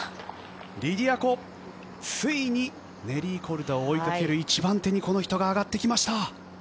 リディア・コ、ついにネリー・コルダを追いかける一番手にこの人が上がってきました。